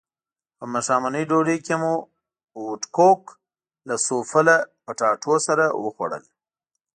په ماښامنۍ ډوډۍ کې مو وډکوک له سوفله پټاټو سره وخوړل.